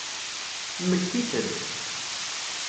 Mmektit-d!